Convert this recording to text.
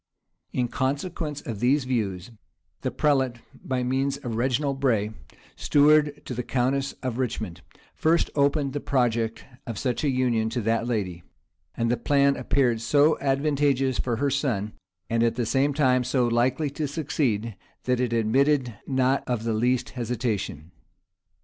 In consequence of these views, the prelate, by means of Reginald Bray, steward to the countess of Rich * *mond, first opened the project of such a union to that lady; and the plan appeared so advantageous for her son, and at the same time so likely to succeed, that it admitted not of the least hesitation.